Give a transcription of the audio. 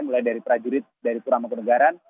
mulai dari prajurit dari puramangkode garan